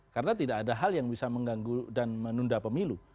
karena tidak ada hal yang bisa mengganggu dan menunda pemilu